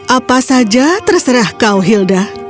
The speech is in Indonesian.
apa saja terserah kau hilda